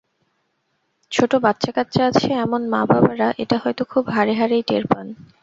ছোট বাচ্চা-কাচ্চা আছে, এমন মা-বাবারা এটা হয়তো খুব হাড়ে হাড়েই টের পান।